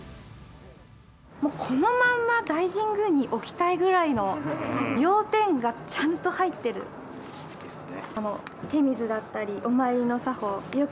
もうこのまま大神宮に置きたいぐらいの要点がちゃんと入ってる。ですね。